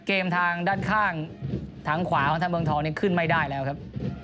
ทางด้านข้างทางขวาของทางเมืองทองเนี่ยขึ้นไม่ได้แล้วครับ